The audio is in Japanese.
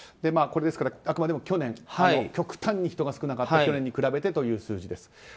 ですから、あくまでも去年極端に人が少なかった去年に比べてという数字です。